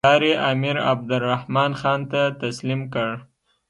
ښار یې امیر عبدالرحمن خان ته تسلیم کړ.